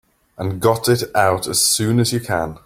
And got it out as soon as you can.